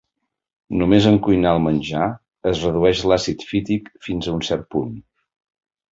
Només en cuinar el menjar, es redueix l'àcid fític fins a un cert punt.